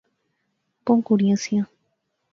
بہوں کڑیاں سیاں